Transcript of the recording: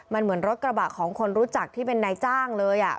มันเหมือนรถกระบะของคนรู้จักที่เป็นนายจ้างเลย